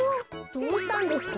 どうしたんですか？